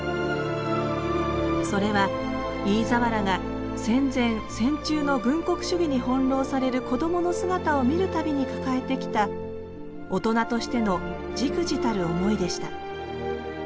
それは飯沢らが戦前戦中の軍国主義に翻弄されるこどもの姿を見る度に抱えてきた大人としてのじくじたる思いでした